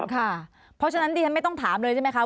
ค่ะเพราะฉะนั้นดิฉันไม่ต้องถามเลยใช่ไหมคะ